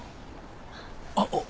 あっ。